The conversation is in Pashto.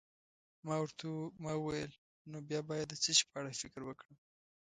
ما وویل: نو بیا باید د څه شي په اړه فکر وکړم؟